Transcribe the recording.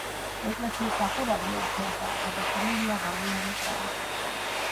ეკლესიის სახურავი ორფერდაა, გადახურულია ღარიანი კრამიტით.